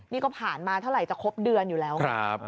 นี่ก็ผ่านมาเท่าไหร่จะครบเดือนอยู่แล้ว